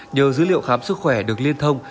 nhờ dữ liệu khám sức khỏe được liên thông